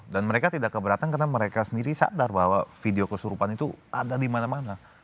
dan mereka tidak keberatan karena mereka sendiri sadar bahwa video kesurupan itu ada di mana mana